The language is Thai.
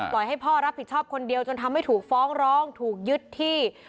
ให้พ่อรับผิดชอบคนเดียวจนทำให้ถูกฟ้องร้องถูกยึดที่